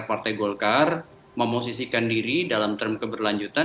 partai golkar memosisikan diri dalam term keberlanjutan